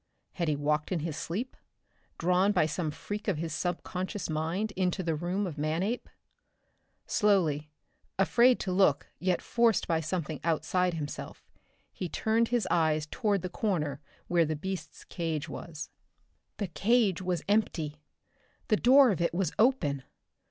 Had he walked in his sleep, drawn by some freak of his subconscious mind into the room of Manape? Slowly, afraid to look yet forced by something outside himself, he turned his eyes toward the corner where the beast's cage was. The cage was empty! The door of it was open!